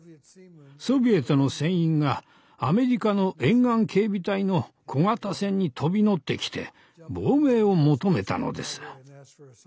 ソビエトの船員がアメリカの沿岸警備隊の小型船に飛び乗ってきて亡命を求めたのです。